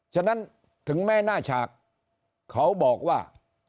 ฉะนั้นถึงแม้หน้าฉากเขาบอกว่า